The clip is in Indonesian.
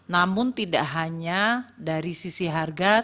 namun tidak hanya dari sisi harga